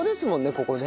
ここね。